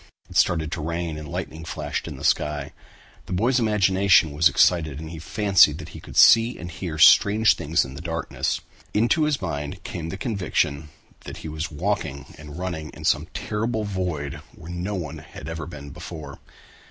It started to rain and lightning flashed in the sky. The boy's imagination was excited and he fancied that he could see and hear strange things in the darkness. Into his mind came the conviction that he was walking and running in some terrible void where no one had ever been before.